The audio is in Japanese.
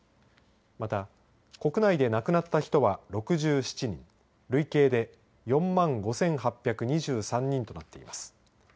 また国内で亡くなった人は６７人累計で４万５８２３人となっています。